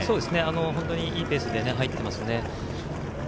本当にいいペースで入っていますよね。